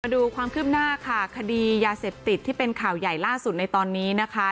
ดูความคืบหน้าค่ะคดียาเสพติดที่เป็นข่าวใหญ่ล่าสุดในตอนนี้นะคะ